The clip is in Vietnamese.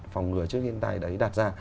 phòng ngừa trước thiên tai đấy đặt ra